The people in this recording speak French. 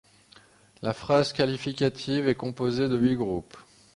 La phase qualificative est composée de huit groupes.